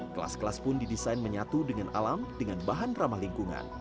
kelas kelas pun didesain menyatu dengan alam dengan bahan ramah lingkungan